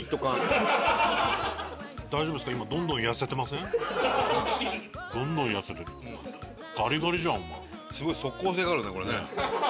すごい即効性があるねこれね。